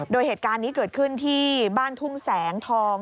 โดยเหตุการณ์นี้เกิดขึ้นที่บ้านทุ่งแสงทอง